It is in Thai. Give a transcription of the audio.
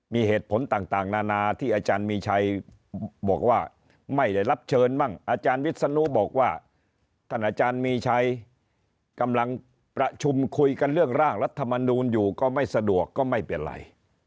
มีเหตุผลต่างนานาที่อาจารย์มีชัยบอกว่าไม่ได้รับเชิญมั่งอาจารย์วิศนุบอกว่าท่านอาจารย์มีชัยกำลังประชุมคุยกันเรื่องร่างรัฐมนูลอยู่ก็ไม่สะดวกก็ไม่เป็นไร